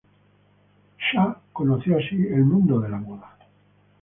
Shah conoció así el mundo de la moda.